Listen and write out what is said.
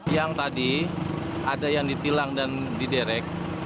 yang tadi ada yang ditilang dan diderek